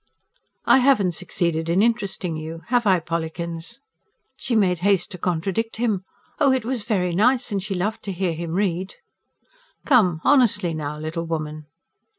"I haven't succeeded in interesting you, have I, Pollikins?" She made haste to contradict him. Oh, it was very nice, and she loved to hear him read. "Come, honestly now, little woman!"